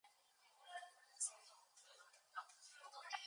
Mark Wahlberg was also approached for the role.